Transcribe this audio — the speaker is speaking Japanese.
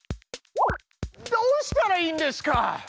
どうしたらいいんですか！？